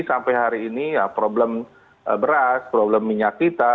sampai hari ini ya problem beras problem minyak kita